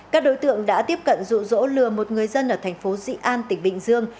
các đối tượng đã tiếp cận rụ rỗ lừa một người dân ở tp di an tỉnh bình dương